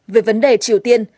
về vấn đề triều tiên